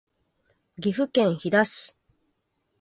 岐阜県飛騨市